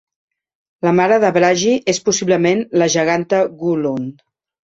La mare de Bragi és possiblement la geganta Gunnlod.